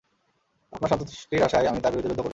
আপনার সন্তুষ্টির আশায় আমি তার বিরুদ্ধে যুদ্ধ করব।